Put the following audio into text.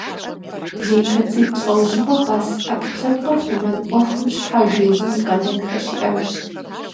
Лейкоцит лӏэужьыгъуэ къэс ӏэпкълъэпкъыр хъумэн ӏуэхум щхьэж езым и къалэнхэр щиӏэжщ.